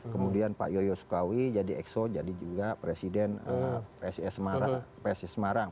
kemudian pak yoyo sukawi jadi exo jadi juga presiden psis semarang